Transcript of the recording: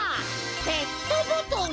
ペットボトル！